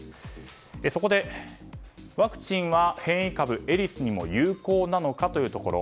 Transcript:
そこで、ワクチンは変異株エリスにも有効なのかというところ。